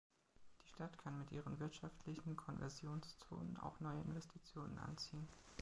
Die Stadt kann mit ihren wirtschaftlichen Konversionszonen auch neue Investitionen anziehen.